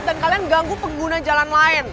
dan kalian ganggu pengguna jalan lain